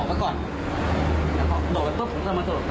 พี่มีไงอยู่ข้างล่าง